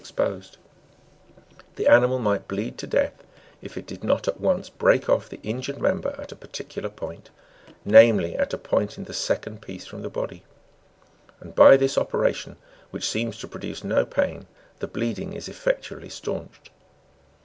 71 exposed, the animal might bleed to death, if it did not at once break off the injured member at a particular point; namely, at a point in the second piece from the body ; and by this operation, which seems to produce no pain, the bleeding is effectually staunched.